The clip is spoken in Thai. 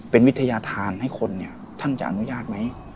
เป็นวิทยาธารให้คนเนี่ยท่านจะอนุญาตไหม